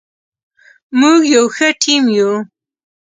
موږ یو ښه ټیم یو.